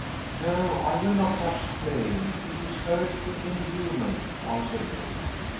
"No; I will not touch clay; it is earthy and human," answered Miriam.